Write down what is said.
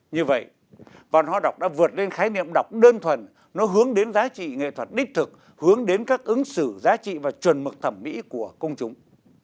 như vậy văn hóa đọc đã vượt lên khái niệm đọc đơn thuần nó hướng đến giá trị nghệ thuật đích thực hướng đến các ứng xử giá trị và chuẩn mực thẩm mỹ của công chúng